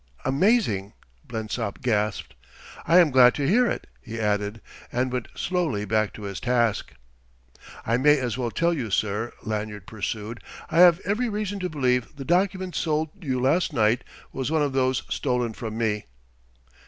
"Amazing!" Blensop gasped. "I am glad to hear it," he added, and went slowly back to his task. "I may as well tell you, sir," Lanyard pursued, "I have every reason to believe the document sold you last night was one of those stolen from me."